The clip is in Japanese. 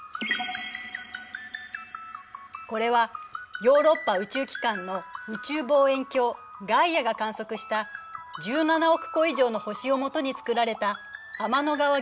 これはヨーロッパ宇宙機関の宇宙望遠鏡ガイアが観測した１７億個以上の星をもとに作られた天の川銀河の全天図。